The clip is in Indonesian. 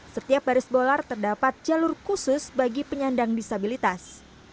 setiap baris bola terdapat jalur khusus bagi penyandang disabilitas